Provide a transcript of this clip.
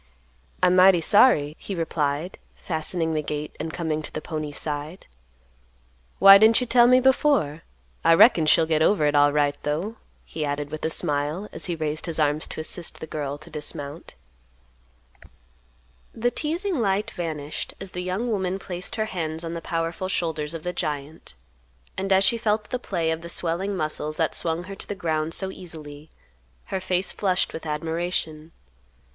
"I'm mighty sorry," he replied, fastening the gate and coming to the pony's side. "Why didn't you tell me before? I reckon she'll get over it alright, though," he added with a smile, as he raised his arms to assist the girl to dismount. The teasing light vanished as the young woman placed her hands on the powerful shoulders of the giant, and as she felt the play of the swelling muscles that swung her to the ground so easily, her face flushed with admiration.